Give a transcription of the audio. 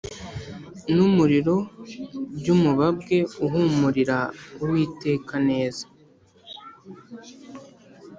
N umuriro by umubabwe uhumurira uwiteka neza